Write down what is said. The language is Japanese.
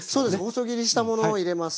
細切りしたものを入れます。